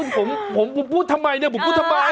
ผมผมพูดทำไมเนี่ยผมพูดทำไม